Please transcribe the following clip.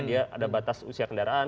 dia ada batas usia kendaraan